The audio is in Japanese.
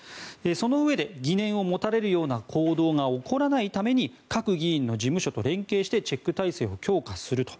そのうえで疑念を持たれるような行動が起こらないために各議員の事務所と連携してチェック体制を強化すると。